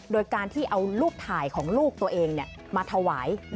โดยการที่เอารูปถ่ายของลูกตัวเองมาถวาย